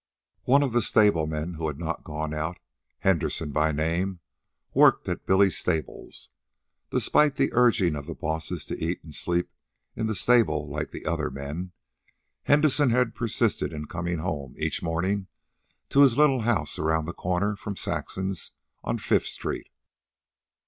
One of the stablemen who had not gone out, Henderson by name, worked at Billy's stables. Despite the urging of the bosses to eat and sleep in the stable like the other men, Henderson had persisted in coming home each morning to his little house around the corner from Saxon's on Fifth street.